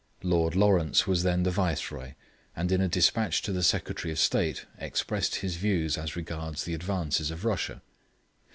Lord Lawrence was then the Viceroy, and in a despatch to the Secretary of State expressed his views as regards the advances of Russia.